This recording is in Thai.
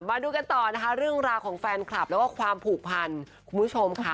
มาดูกันต่อนะคะเรื่องราวของแฟนคลับแล้วก็ความผูกพันคุณผู้ชมค่ะ